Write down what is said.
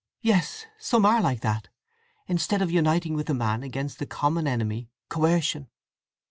"Yes—some are like that, instead of uniting with the man against the common enemy, coercion."